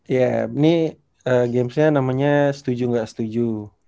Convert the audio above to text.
iya ini gamesnya namanya setuju gak setuju